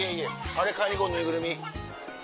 あれ買いに行こうぬいぐるみ。